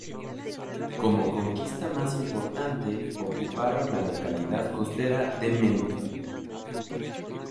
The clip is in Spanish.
Como conquista más importante, ocuparon la localidad costera de Menton.